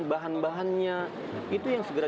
bahan bahannya itu yang segera